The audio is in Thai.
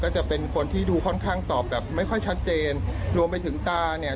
จะเป็นคนที่ดูค่อนข้างตอบแบบไม่ค่อยชัดเจนรวมไปถึงตาเนี่ย